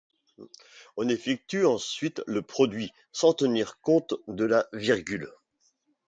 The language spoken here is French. On effectue ensuite le produit, sans tenir compte de la virgule.